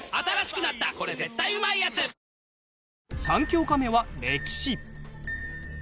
３教科目は歴史。